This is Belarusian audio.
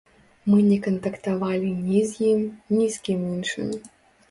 Мы не кантактавалі ні з ім, ні з кім іншым.